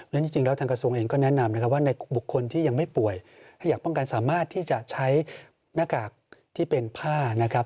จริงแล้วทางกระทรวงเองก็แนะนำนะครับว่าในบุคคลที่ยังไม่ป่วยถ้าอยากป้องกันสามารถที่จะใช้หน้ากากที่เป็นผ้านะครับ